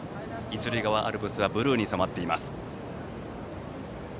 一塁側アルプスはブルーに染まっています。